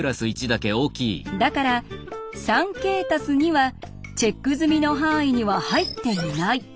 だから「３ｋ＋２」はチェック済みの範囲には入っていない。